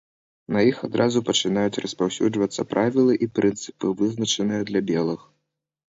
На іх адразу пачынаюць распаўсюджвацца правілы і прынцыпы, вызначаныя для белых.